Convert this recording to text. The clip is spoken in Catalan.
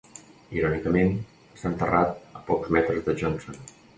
Irònicament, està enterrat a pocs metres de Johnson.